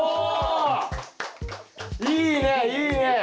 いいねいいね！